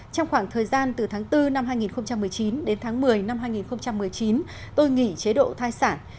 trong khoảng thời gian từ tháng bốn năm hai nghìn một mươi chín đến tháng một mươi năm hai nghìn một mươi chín tôi nghỉ chế độ thai sản